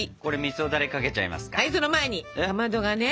はいその前にかまどがね